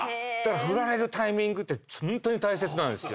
フラれるタイミングってホントに大切なんですよ。